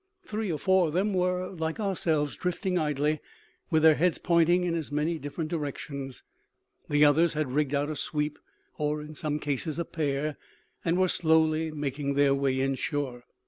Three or four of them were, like ourselves, drifting idly, with their heads pointing in as many different directions; the others had rigged out a sweep, or in some cases a pair, and were slowly making their way inshore.